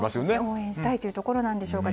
応援したいというところなんでしょうか。